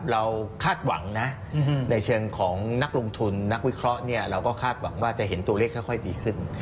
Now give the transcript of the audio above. คาดหวังนะในเชิงของนักลงทุนนักวิเคราะห์เราก็คาดหวังว่าจะเห็นตัวเลขค่อยดีขึ้น